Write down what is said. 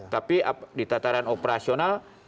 tapi di tataran operasional